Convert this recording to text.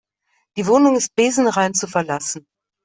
Die Wohnung ist besenrein zu verlassen.